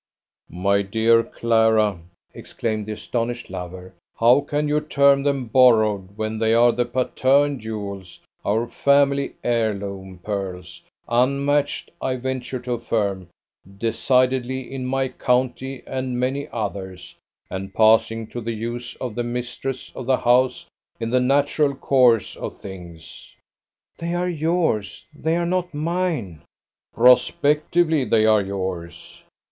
"My dear Clara!" exclaimed the astonished lover, "how can you term them borrowed, when they are the Patterne jewels, our family heirloom pearls, unmatched, I venture to affirm, decidedly in my county and many others, and passing to the use of the mistress of the house in the natural course of things?" "They are yours, they are not mine." "Prospectively they are yours."